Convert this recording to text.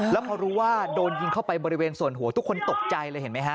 แล้วพอรู้ว่าโดนยิงเข้าไปบริเวณส่วนหัวทุกคนตกใจเลยเห็นไหมฮะ